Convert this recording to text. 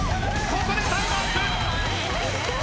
ここでタイムアップ